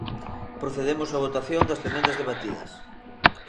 Procedemos á votación das emendas debatidas.